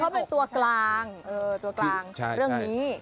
เขาเป็นตัวกลางตัวกลางเรื่องนี้